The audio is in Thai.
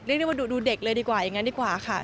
เรียกได้ว่าดูเด็กเลยดีกว่าอย่างนั้นดีกว่าค่ะ